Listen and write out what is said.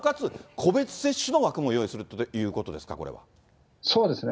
個別接種の枠も用意するということですか、そうですね。